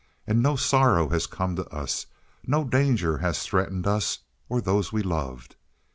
"And no sorrow has come to us; no danger has threatened us or those we loved."